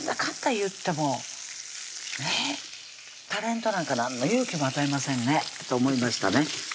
いってもねタレントなんか何の勇気も与えませんねと思いましたね